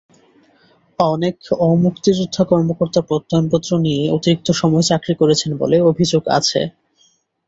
অনেক অমুক্তিযোদ্ধা কর্মকর্তা প্রত্যয়নপত্র নিয়ে অতিরিক্ত সময় চাকরি করছেন বলে অভিযোগ আছে।